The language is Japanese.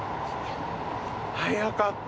速かった。